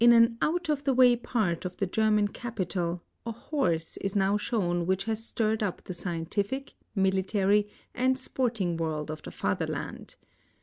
an' out of the way part of the German capital ' a j horse Is now shown which has stirred up the scientific, military, and sporting world of the Fatherland.